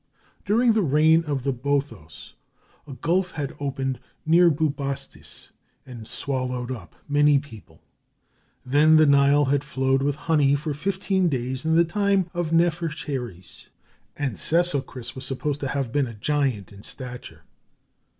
During the reign of the Boethos a gulf had opened near Bubastis, and swallowed up many people, then the Nile had flowed with honey for fifteen days in the time of Nephercheres, and Sesochris was supposed to have been a giant in stature.